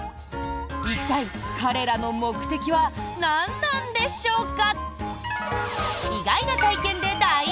一体、彼らの目的は何なんでしょうか。